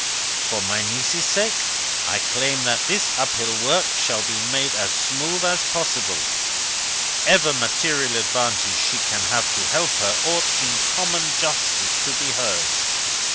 For my niece's sake, I claim that this uphill work shall be made as smooth as possible. Whatever material advantages she can have to help her, ought, in common justice, to be hers.